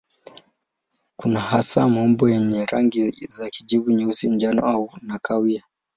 Kuna hasa maumbo yenye rangi za kijivu, nyeusi, njano na kahawia.